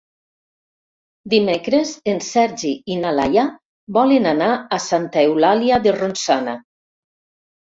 Dimecres en Sergi i na Laia volen anar a Santa Eulàlia de Ronçana.